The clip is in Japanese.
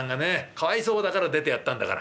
かわいそうだから出てやったんだから。